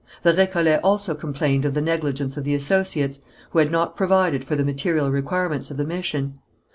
The Récollets also complained of the negligence of the associates, who had not provided for the material requirements of the mission.